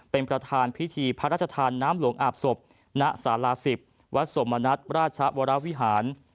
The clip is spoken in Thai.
เป็นประธานพิธีพระราชทานน้ำหลวงอาบศพณศาลา๑๐วัดสมณัฐราชวรวิหาร